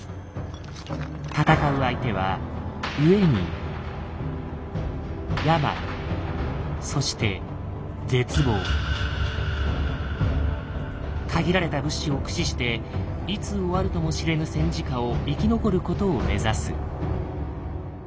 戦う相手はそして限られた物資を駆使していつ終わるとも知れぬ戦時下を生き残ることを目指す。